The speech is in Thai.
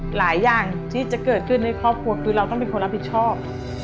หลายอย่างที่จะเกิดขึ้นในครอบครัวคือเราต้องเป็นคนรับผิดชอบ